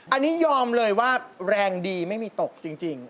อันนี้ยอมเลยว่าแรงดีไม่มีตกจริง